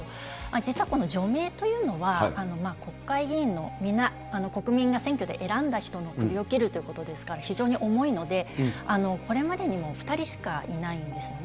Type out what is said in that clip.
実はこの除名というのは、国会議員は皆、国民が選挙で選んだ人の首を切るということですから、非常に重いので、これまでにも２人しかいないんですよね。